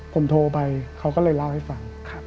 ผมโทรไปเขาก็เลยเล่าให้ฟัง